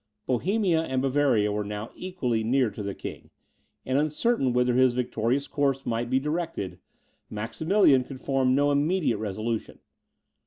Bohemia and Bavaria were now equally near to the king, and, uncertain whither his victorious course might be directed, Maximilian could form no immediate resolution.